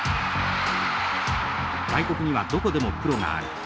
外国にはどこでもプロがある。